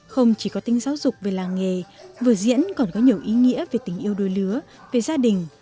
không chỉ có tính giáo dục về làng nghề vở diễn còn có nhiều ý nghĩa về tình yêu đôi lứa về gia đình